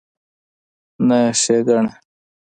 نه ښېګړه